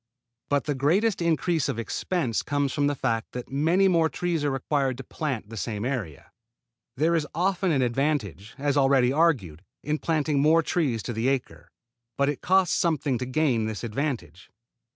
But the greatest increase of expense comes from the fact that many more trees are required to plant the same area. There is often an advantage, as already argued, in planting more trees to the acre, but it costs something to gain this advantage.